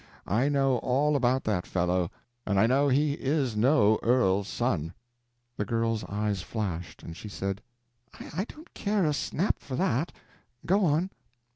I know all about that fellow; and I know he is no earl's son." The girl's eyes flashed, and she said: "I don't care a snap for that—go on!"